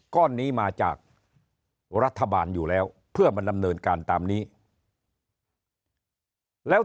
ก้อนนี้มาจากรัฐบาลอยู่แล้วเพื่อมาดำเนินการตามนี้แล้ว